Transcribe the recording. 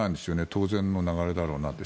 当然の流れだろうなって。